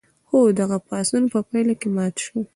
خو دغه پاڅون په پایله کې مات شو.